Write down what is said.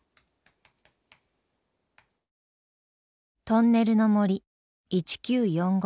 「トンネルの森１９４５」。